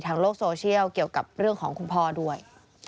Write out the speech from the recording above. โลกโซเชียลเกี่ยวกับเรื่องของคุณพ่อด้วย